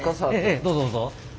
ええどうぞどうぞ。